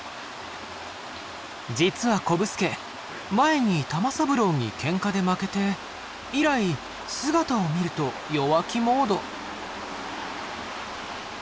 実はこぶすけ前に玉三郎にケンカで負けて以来姿を見ると弱気モード。